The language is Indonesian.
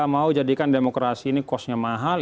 mau jadikan demokrasi ini costnya mahal